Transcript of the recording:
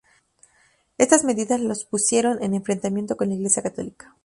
Estas medidas los pusieron en enfrentamiento con la iglesia católica.